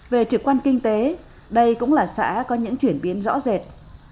về trực quan kinh tế đây cũng là xã có những chuyển biến rõ rệt